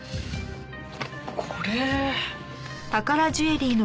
これ。